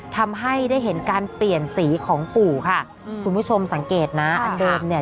ทำให้ได้เห็นการเปลี่ยนสีของปู่ค่ะคุณผู้ชมสังเกตนะอันเดิมเนี่ย